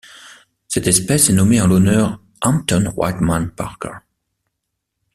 Cette espèce est nommée en l'honneur Hampton Wildman Parker.